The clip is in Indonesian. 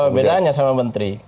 apa bedanya sama menteri